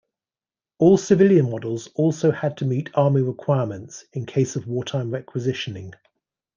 All civilian models also had to meet Army requirements, in case of wartime requisitioning.